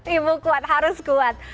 ibu kuat harus kuat